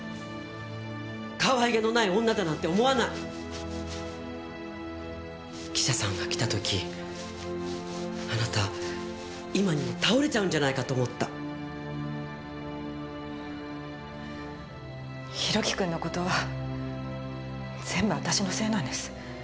かわいげのない女だなんて思わない記者さんが来た時あなた今にも倒れちゃうんじゃないかと思った弘樹くんのことは全部私のせいなんです